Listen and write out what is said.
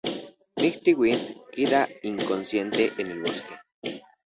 Mighty Wind queda inconsciente en el bosque.